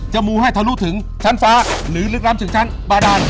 มูให้ทะลุถึงชั้นฟ้าหรือลึกล้ำถึงชั้นบาดาน